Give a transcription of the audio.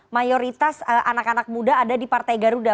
mayoritas anak anak muda ada di partai garuda